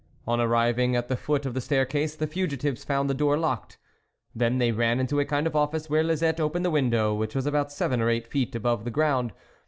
On arriving at the foot of the staircase, the fugitives found the door locked ; then they ran into a kind of office where Lisette opened the window, which was about seven or eight feet above the ground.